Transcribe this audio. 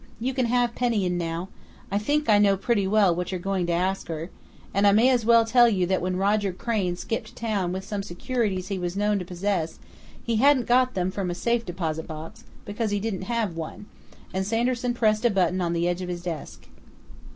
You can have Penny in now. I think I know pretty well what you're going to ask her. And I may as well tell you that when Roger Crain skipped town with some securities he was known to possess, he hadn't got them from a safe deposit box, because he didn't have one," and Sanderson pressed a button on the edge of his desk....